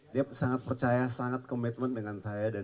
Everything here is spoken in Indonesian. dia sangat percaya sangat komitmen dengan saya